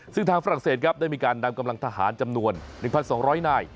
ซึ่งทางฝรั่งเศสครับได้มีการนำกำลังทหารจำนวน๑๒๐๐นาย